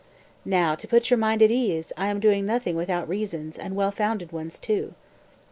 205. "Now, to put your mind at ease, I am doing nothing without reasons, and well founded ones, too."